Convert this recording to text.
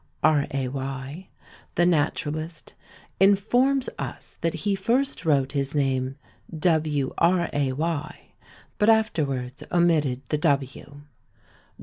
Ray the naturalist informs us that he first wrote his name Wray, but afterwards omitted the W. Dr.